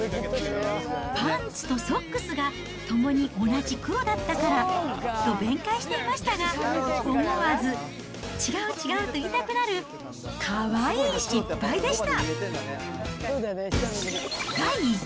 パンツとソックスがともに同じ黒だったからと弁解していましたが、思わず、違う違う！と言いたくなる、かわいい失敗でした。